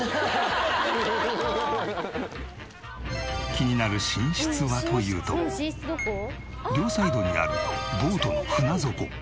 気になる寝室はというと両サイドにあるボートの船底。